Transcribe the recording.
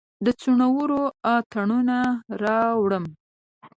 د څنورو اتڼوڼه راوړم